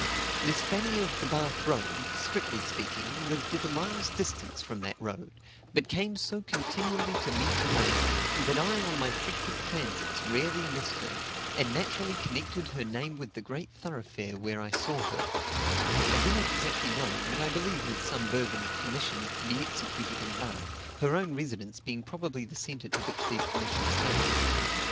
Miss Fanny of the Bath road, strictly speaking, lived at a mile's distance from that road, but came so continually to meet the mail, that I on my frequent transits rarely missed her, and naturally connected her name with the great thoroughfare where I saw her; I do not exactly know, but I believe with some burthen of commissions to be executed in Bath, her own residence being probably the centre to which these commissions gathered.